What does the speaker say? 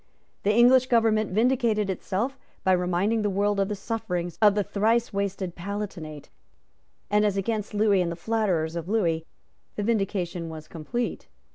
The English government vindicated itself by reminding the world of the sufferings of the thrice wasted Palatinate; and, as against Lewis and the flatterers of Lewis, the vindication was complete.